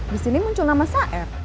di sini muncul nama sar